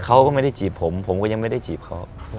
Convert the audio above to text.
เขาก็ไม่ได้จีบผมผมก็ยังไม่ได้จีบเขา